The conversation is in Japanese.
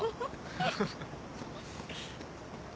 フフフ。